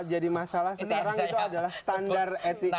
yang jadi masalah sekarang itu adalah standar etika